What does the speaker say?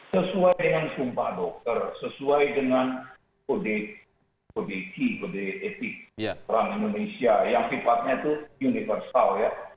sesuai dengan sumpah dokter sesuai dengan kode kide etik orang indonesia yang sifatnya itu universal ya